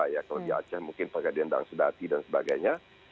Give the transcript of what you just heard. ya kalau di aceh mungkin pakai dendang sedati dan sebagainya